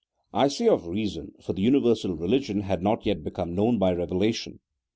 I say of reason, for the universal religion had not yet become known by revelation.